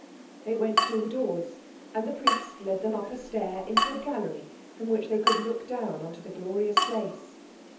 They went through the doors, and the priest led them up a stair into a gallery from which they could look down on to the glorious place.